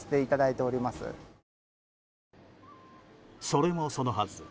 それもそのはず